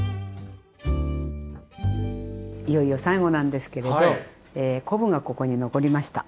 いよいよ最後なんですけれど昆布がここに残りました。